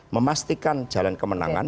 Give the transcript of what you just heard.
memastikan jalan kemenangan